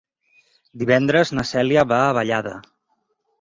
Divendres na Cèlia va a Vallada.